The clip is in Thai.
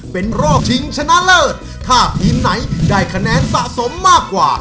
เป็นรอบชิงชนะเลิศถ้าทีมไหนได้คะแนนสะสมมากกว่า